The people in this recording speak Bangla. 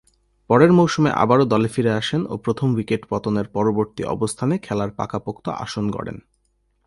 পরের মৌসুমে আবারও দলে ফিরে আসেন ও প্রথম উইকেট পতনের পরবর্তী অবস্থানে খেলার পাকাপোক্ত আসন গড়েন।